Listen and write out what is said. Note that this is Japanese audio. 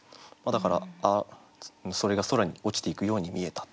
だからそれが空に落ちていくように見えた。